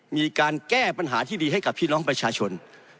มีการแก้ปัญหาที่ดีให้กับพี่น้องประชาชน